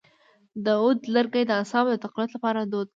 د عود لرګی د اعصابو د تقویت لپاره دود کړئ